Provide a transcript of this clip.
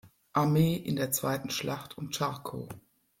Armee in der Zweiten Schlacht um Charkow.